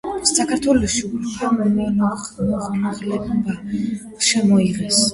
საქართველოში ულუფა მონღოლებმა შემოიღეს.